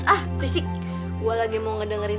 ah fisik gue lagi mau ngedengerin